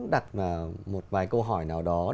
đặt một vài câu hỏi nào đó